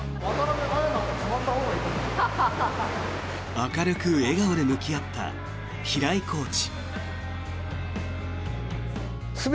明るく笑顔で向き合った平井コーチ。